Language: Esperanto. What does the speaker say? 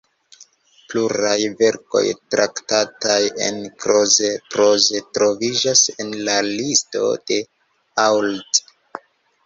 Pluraj verkoj traktataj en Kroze – proze troviĝas en la listo de Auld.